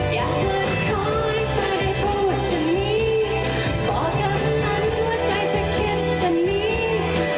อยากลือขอให้เธอได้พูดว่าฉันนี้บอกกับฉันว่าใจเธอคิดฉันนี้